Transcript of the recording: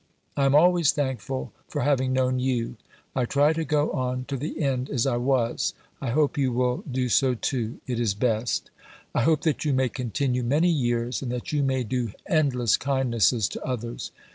I am always thankful for having known you. I try to go on to the end as I was. I hope you will do so too; it is best. I hope that you may continue many years, and that you may do endless kindnesses to others.